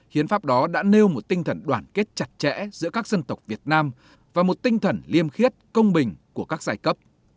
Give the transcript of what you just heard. hiến pháp đó đã nêu một tinh thần đoàn kết chặt chẽ giữa các dân tộc việt nam và một tinh thần liêm khiết công bình của các giai cấp